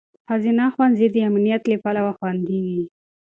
ښځینه ښوونځي د امنیت له پلوه خوندي وي.